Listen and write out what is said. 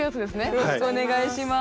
よろしくお願いします。